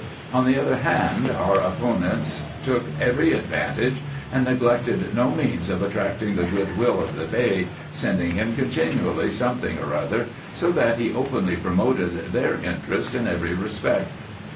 On the other hand, our opponents took every advantage, and neglected no means of attracting the good will of the Bey, sending him continually something or other, so that he openly promoted their interest in every respect.